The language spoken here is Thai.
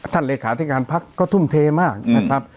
เลขาธิการพักก็ทุ่มเทมากนะครับ